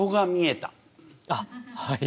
あっはい。